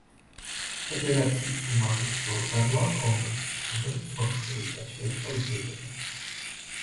ფედერაციის უმაღლესი ორგანოა კონგრესი, რომელიც ოთხ წელიწადში ერთხელ იკრიბება.